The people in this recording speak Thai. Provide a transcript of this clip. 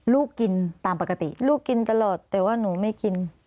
ลูกกินตามปกติลูกกินตลอดแต่ว่าหนูไม่กิน